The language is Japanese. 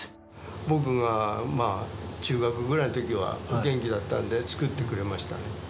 僕がまあ、中学ぐらいのときは元気だったんで、作ってくれました